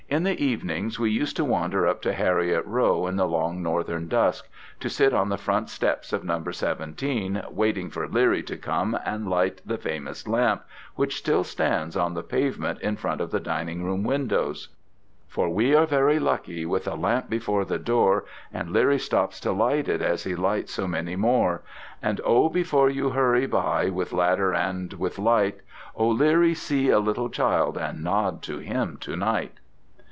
In the evenings we used to wander up to Heriot Row in the long Northern dusk, to sit on the front steps of number 17 waiting for Leerie to come and light the famous lamp which still stands on the pavement in front of the dining room windows: For we are very lucky, with a lamp before the door, And Leerie stops to light it as he lights so many more; And O! before you hurry by with ladder and with light, O Leerie, see a little child and nod to him to night!